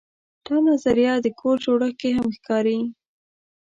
دا نظریه د کور جوړښت کې هم ښکاري.